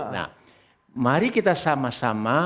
nah mari kita sama sama